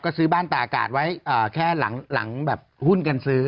ก็ซื้อบ้านตาอากาศไว้แค่หลังแบบหุ้นกันซื้อ